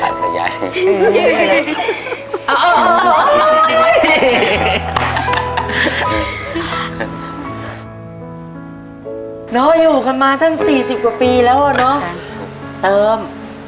น้อยอยู่กันมาทั้งสี่สิบกว่าปีแล้วอ่ะน้อยเติม